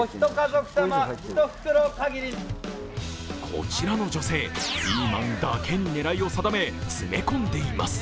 こちらの女性、ピーマンだけに狙いを定め、詰め込んでいます。